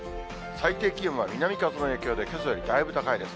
最低気温は南風の影響で、けさよりだいぶ高いです。